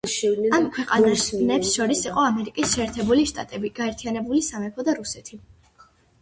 ამ ქვეყნებს შორის იყო ამერიკის შეერთებული შტატები, გაერთიანებული სამეფო და რუსეთი.